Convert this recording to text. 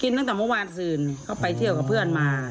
กินตั้งแต่โมงวันสื่นเขาไปเที่ยวกับเพื่อนมา